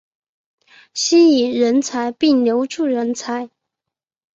吸引人才并留住人才